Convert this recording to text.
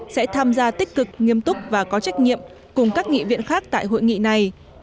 sẽ tham gia tích cực nghiêm túc và có trách nhiệm cùng các nghị viện khác tại hội nghị này